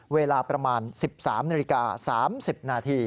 เวลาประมาณ๑๓นาฬิกา๓๐นาที